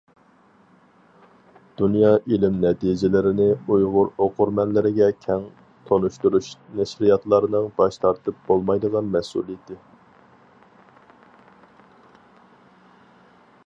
دۇنيا ئىلىم نەتىجىلىرىنى ئۇيغۇر ئوقۇرمەنلىرىگە كەڭ تونۇشتۇرۇش نەشرىياتلارنىڭ باش تارتىپ بولمايدىغان مەسئۇلىيىتى.